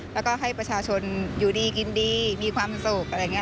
แล้วก็ให้ประชาชนอยู่ดีกินดีมีความสุขอะไรอย่างนี้